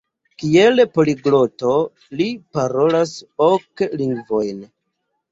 Kiel poligloto li parolas ok lingvojn.